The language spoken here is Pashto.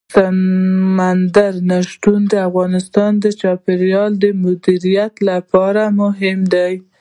سمندر نه شتون د افغانستان د چاپیریال د مدیریت لپاره مهم دي.